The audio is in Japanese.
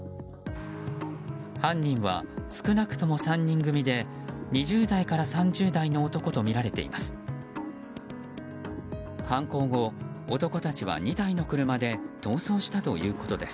犯人は少なくとも３人組で２０代から３０代の男とみられています。